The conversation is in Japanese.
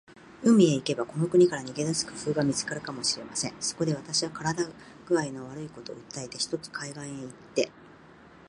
海へ行けば、この国から逃げ出す工夫が見つかるかもしれません。そこで、私は身体工合の悪いことを訴えて、ひとつ海岸へ行って